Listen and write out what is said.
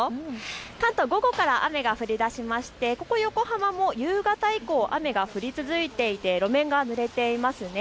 関東、午後から雨が降りだしてここ横浜も夕方以降、雨が降り続いていて路面がぬれています。